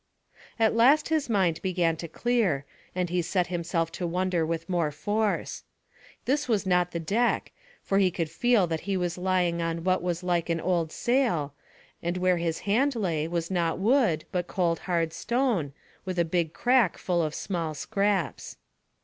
At last his mind began to clear, and he set himself to wonder with more force. This was not the deck, for he could feel that he was lying on what was like an old sail, and where his hand lay was not wood, but cold hard stone, with a big crack full of small scraps.